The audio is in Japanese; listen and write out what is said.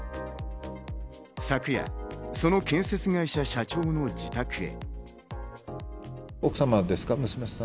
昨夜、その建設会社社長の自宅へ。